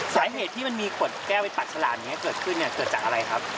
สาเหตุที่มันมีกรดแก้วไปปัดสลานเกิดขึ้นเกิดจากอะไรครับ